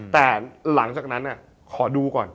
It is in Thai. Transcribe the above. แต่หลังจากนั้นขอดูก่อน